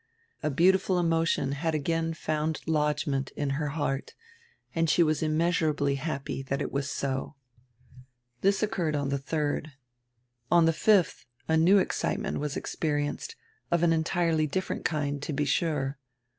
A beautiful emotion had again found lodgment in her heart and she was immeasurably happy diat it was so. This occurred on die 3d. On die 5th a new excitement was experienced, of an entirely different kind, to be sure.